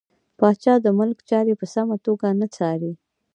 پاچا د ملک چارې په سمه توګه نه څاري .